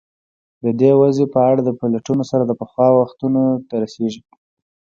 د دې وضع په اړه د پلټنو سر د پخوا وختونو ته رسېږي.